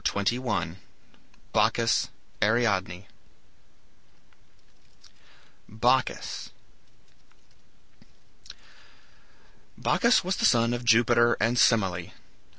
CHAPTER XXI BACCHUS ARIADNE BACCHUS Bacchus was the son of Jupiter and Semele.